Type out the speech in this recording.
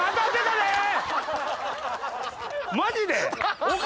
マジで？